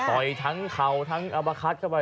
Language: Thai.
ต่อยทั้งเขาทั้งอะมะคัส